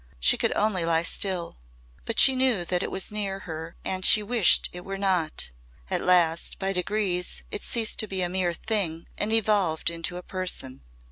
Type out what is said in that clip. She could only lie still. But she knew that it was near her and she wished it were not. At last by degrees it ceased to be a mere thing and evolved into a person.